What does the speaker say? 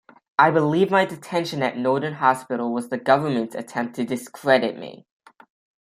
I believe my detention at Norton Hospital was the government's attempt to discredit me.